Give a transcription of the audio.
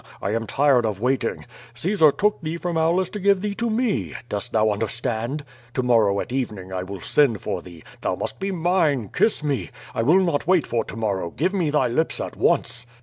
I am tired of waiting. Caesar took thee from Aulus to give thee to me. Dost thou understand? To morrow at evening 1 will send for thee. Thou must be mine! Kiss me! I will not wait for to morrow. Give me thy lips at once."